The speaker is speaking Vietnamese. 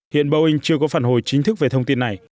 hiện boeing chưa có phản hồi chính thức về thông tin này